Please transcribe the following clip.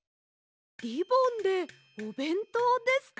リボンでおべんとうですか？